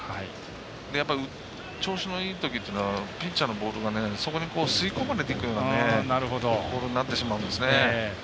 調子のいいときっていうのはピッチャーのボールがそこに吸い込まれていくようなボールになってしまうんですね。